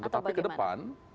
tetapi ke depan